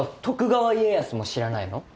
徳川家康も知らないの？